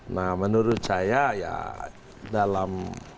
nah menurut saya ya dalam